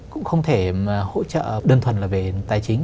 cũng không thể hỗ trợ đơn thuần là về tài chính